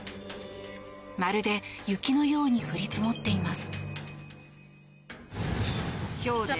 まるで雪のように降り積もっています。